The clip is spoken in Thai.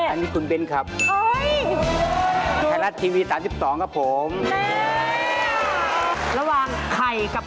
อันนี้คุณเบ้นครับผม